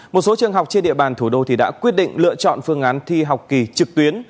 một số trường học trên địa bàn thủ đô thì đã quyết định lựa chọn phương án thi học kỳ trực tuyến